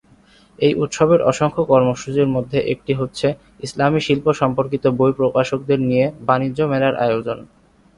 এই উৎসবের অসংখ্য কর্মসূচির মধ্যে একটি হচ্ছে ইসলামী শিল্প সম্পর্কিত বই প্রকাশকদের নিয়ে বাণিজ্য মেলার আয়োজন।